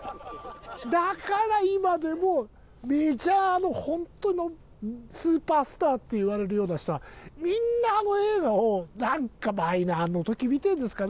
だから今でもメジャーの本当のスーパースターっていわれるような人はみんなあの映画をなんかマイナーの時見てるんですかね